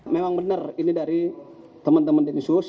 memang benar ini dari teman teman densus